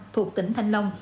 thuộc tỉnh thanh long